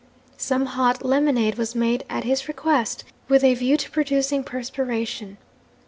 Some hot lemonade was made at his request, with a view to producing perspiration.